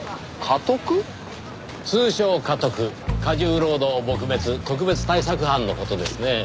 過重労働撲滅特別対策班の事ですねぇ。